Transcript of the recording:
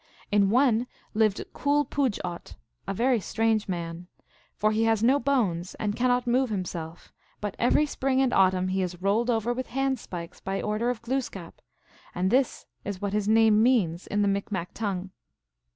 In one lived Cool puj ot, a very strange man. For he has no bones, and cannot move himself, but every spring and autumn he is rolled over with handspikes by the order of Glooskap, and this is what his name means in the Micmac tongue.